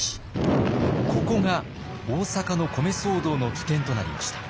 ここが大阪の米騒動の起点となりました。